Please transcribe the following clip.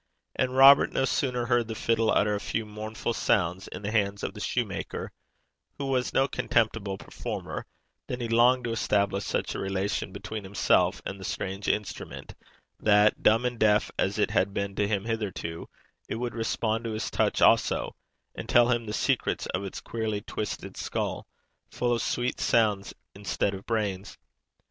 And Robert no sooner heard the fiddle utter a few mournful sounds in the hands of the soutar, who was no contemptible performer, than he longed to establish such a relation between himself and the strange instrument, that, dumb and deaf as it had been to him hitherto, it would respond to his touch also, and tell him the secrets of its queerly twisted skull, full of sweet sounds instead of brains.